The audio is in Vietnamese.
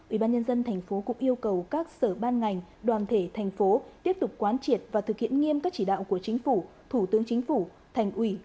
ubnd tp cũng yêu cầu các sở ban ngành đoàn thể thành phố tiếp tục quán triệt và thực hiện nghiêm các chỉ đạo của chính phủ thủ tướng chính phủ thành ủy